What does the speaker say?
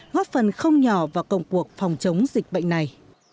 góp phần không nhỏ vào công cuộc phòng chống dịch bệnh này